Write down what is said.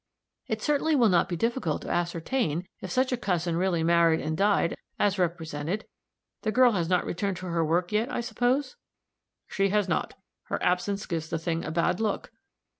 "It certainly will not be difficult to ascertain if such a cousin really married and died, as represented. The girl has not returned to her work yet, I suppose?" "She has not. Her absence gives the thing a bad look.